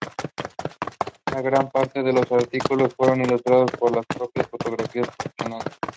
La gran parte de sus artículos fueron ilustrados por sus propias fotografías profesionales.